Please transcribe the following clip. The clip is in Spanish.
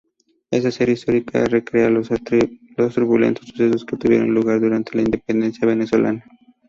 Esta serie histórica recrea los turbulentos sucesos que tuvieron lugar durante la independencia venezolana.